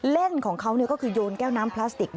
เล่นของเขาก็คือโยนแก้วน้ำพลาสติก